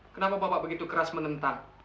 kenapa bapak begitu keras menentang